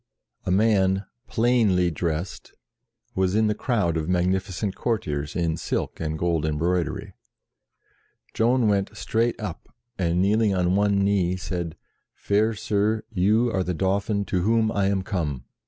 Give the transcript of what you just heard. A man plainly dressed was in the crowd of magnificent courtiers in silk and gold embroidery. Joan went straight up, and kneeling on one knee, said, "Fair Sir, you are the Dauphin to whom I am come."